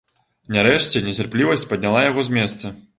Нарэшце нецярплівасць падняла яго з месца.